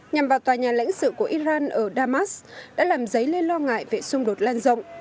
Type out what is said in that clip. nhằm vào tòa nhà lãnh sự của iran ở damas đã làm dấy lên lo ngại về xung đột lan rộng